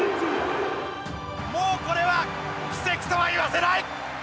もうこれは奇跡とは言わせない。